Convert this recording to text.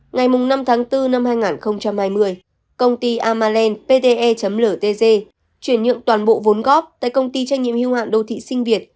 ngày năm tháng bốn năm hai nghìn hai mươi công ty amaland pte ltg chuyển nhượng toàn bộ vốn góp tại công ty trách nhiệm hưu hạn đô thị sinh việt